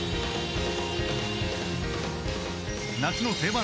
［夏の定番